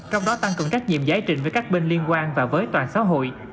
trong đó tăng cận các nhiệm giải trình với các bên liên quan và với toàn xã hội